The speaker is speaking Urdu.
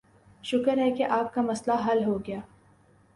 شکر ہے کہ آپ کا مسئلہ حل ہوگیا